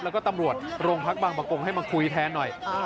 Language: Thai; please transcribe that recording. แล้วก็ตำรวจโรงพักบางประกงให้มาคุยแทนหน่อย